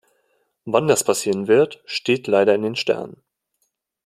Wann das passieren wird, steht leider in den Sternen.